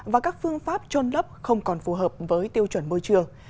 và các phương pháp trôn lấp không còn phù hợp với tiêu chuẩn môi trường